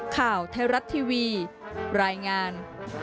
ข่าวเทรัตน์ทีวีรายงาน